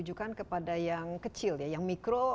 jadi fokus sekarang transformasi ini lebih banyak ke kualitas